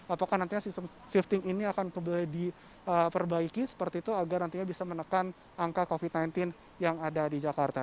apakah nantinya sistem shifting ini akan diperbaiki seperti itu agar nantinya bisa menekan angka covid sembilan belas yang ada di jakarta